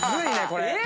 これ。